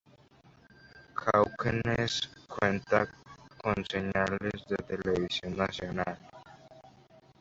Cauquenes cuenta con señales de televisión nacionales.